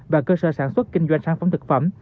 và cơ sở sản xuất kinh doanh sản phẩm thực phẩm